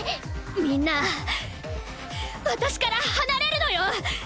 みんな私から離れるのよ！